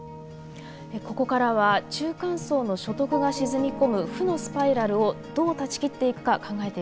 ここからは中間層の所得が沈み込む負のスパイラルをどう断ち切っていくか考えていきます。